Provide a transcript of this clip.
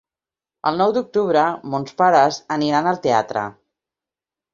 El nou d'octubre mons pares aniran al teatre.